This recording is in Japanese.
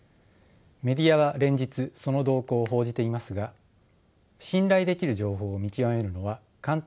メディアは連日その動向を報じていますが信頼できる情報を見極めるのは簡単なことではありません。